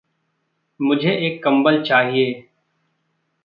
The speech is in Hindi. मुझे एक कंबल चाहिए।